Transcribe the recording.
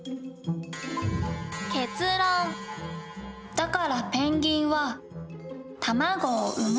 「だからペンギンは卵を産む」。